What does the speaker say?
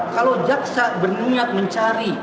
kalau jaksa berniat mencari